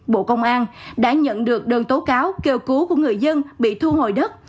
bộ công an đã nhận được đơn tố cáo kêu cứu của người dân bị thu hồi đất